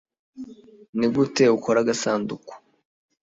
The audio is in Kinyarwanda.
nigute ukora agasanduku